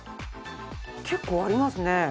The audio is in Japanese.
結構ありますね。